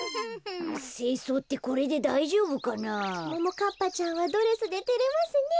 ももかっぱちゃんはドレスでてれますねえ。